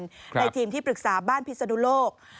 ในทีมที่ปรึกษาบ้านพิศนุโลก